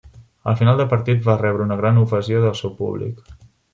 Al final del partit, va rebre una gran ovació del seu públic.